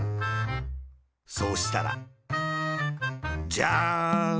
そうしたら、ジャーン！